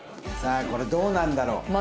さあこれどうなるんだろう？